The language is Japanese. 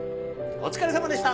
お疲れさまでした。